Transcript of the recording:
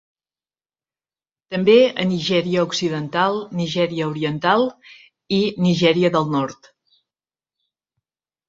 També a Nigèria occidental, Nigèria oriental i Nigèria del nord.